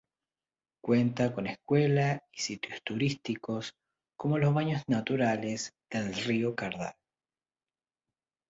Cuenta con escuela y sitios turísticos como los baños naturales del Río Cardal.